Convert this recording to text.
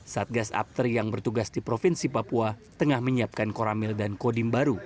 satgas apter yang bertugas di provinsi papua tengah menyiapkan koramil dan kodim baru